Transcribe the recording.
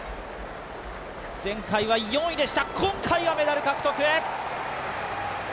前回は４位でした、今回はメダル獲得。